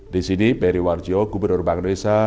di sini periwarjo gubernur bangdresa